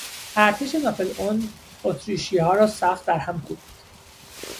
ارتش ناپلئون اتریشیها را سخت درهم کوبید.